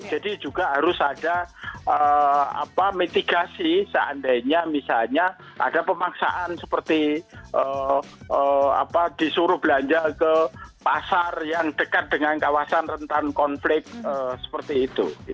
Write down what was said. jadi juga harus ada mitigasi seandainya misalnya ada pemaksaan seperti disuruh belanja ke pasar yang dekat dengan kawasan rentan konflik seperti itu